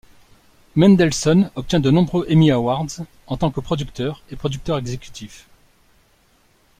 Mendelson obtient de nombreux Emmy Awards en tant que producteur et producteur exécutif.